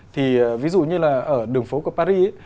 thì ví dụ như là ở đường phố của paris